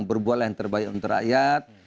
berbuat yang terbaik untuk rakyat